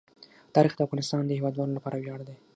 تاریخ د افغانستان د هیوادوالو لپاره ویاړ دی.